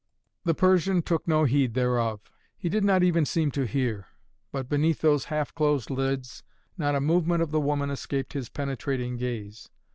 The Persian took no heed thereof. He did not even seem to hear. But, beneath those half closed lids, not a movement of the woman escaped his penetrating gaze.